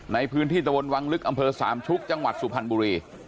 ในพื้นที่ตะวนวังลึกอำเภอสามชุกจังหวัดสุพรรณบุรี